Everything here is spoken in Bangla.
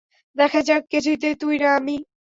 দেখা যাক, কে জিতে তুই না আমি?